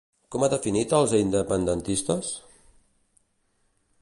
Com ha definit als independentistes?